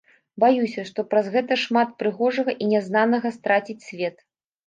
Баюся, што праз гэта шмат прыгожага і нязнанага страціць свет.